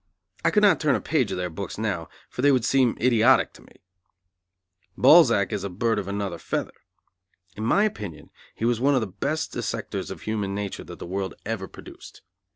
I could not turn a page of their books now, for they would seem idiotic to me. Balzac is a bird of another feather. In my opinion he was one of the best dissectors of human nature that the world ever produced.